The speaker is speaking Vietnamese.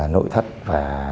nội thất và